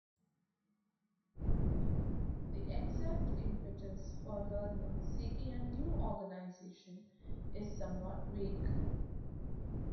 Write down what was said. The exact impetus for Lerner seeking a new organization is somewhat vague.